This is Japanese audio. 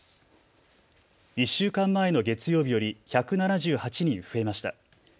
１週間前の月曜日より１７８人増えました。